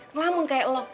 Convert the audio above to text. ngelamun kaya elo